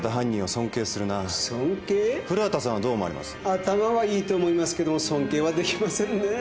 頭はいいと思いますけど尊敬はできませんねえ。